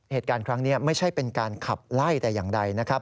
เหตุการณ์ครั้งนี้ไม่ใช่เป็นการขับไล่แต่อย่างใดนะครับ